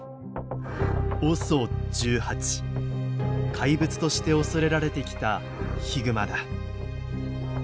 怪物として恐れられてきたヒグマだ。